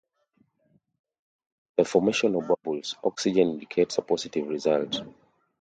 The formation of bubbles, oxygen, indicates a positive result.